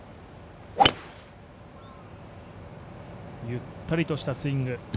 ゆったりとしたスイング。